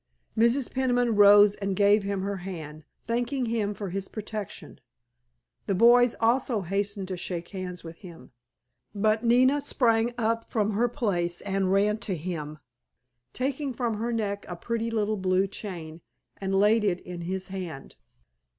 Mrs. Peniman rose and gave him her hand, thanking him for his protection. The boys also hastened to shake hands with him. But Nina sprang up from her place and ran to him, taking from her neck a pretty little blue chain, and laid it in his hand.